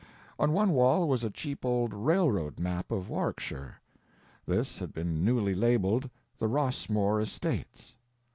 On one wall was a cheap old railroad map of Warwickshire. This had been newly labeled "The Rossmore Estates."